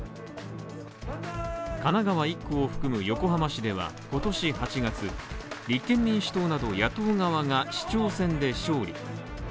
神奈川１区を含む横浜市では今年８月、立憲民主党など野党側が市長選で勝利。